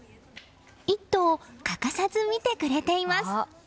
「イット！」を欠かさず見てくれています。